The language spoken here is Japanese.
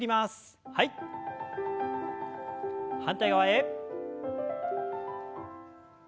反対側へ。